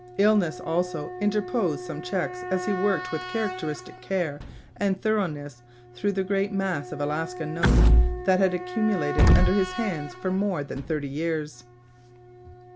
Illness, also, interposed some checks as he worked with characteristic care and thoroughness through the great mass of Alaska notes that had accumulated under his hands for more than thirty years.